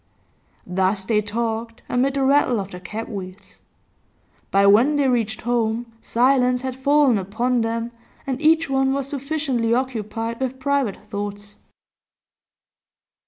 Thus they talked, amid the rattle of the cab wheels. By when they reached home silence had fallen upon them, and each one was sufficiently occupied with private thoughts.